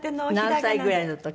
何歳ぐらいの時？